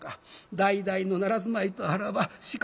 代々の奈良住まいとあらば鹿